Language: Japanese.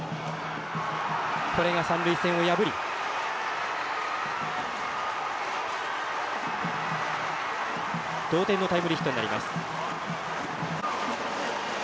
三塁線を破り同点のタイムリーヒットになりました。